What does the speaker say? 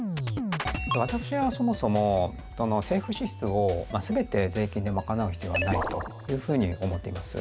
私はそもそも政府支出をすべて税金で賄う必要はないというふうに思っています。